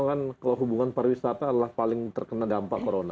kan kalau hubungan pariwisata adalah paling terkena dampak corona